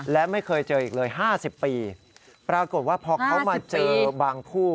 และไม่เคยเจออีกเลย๕๐ปีปรากฏว่าพอเขามาเจอบางคู่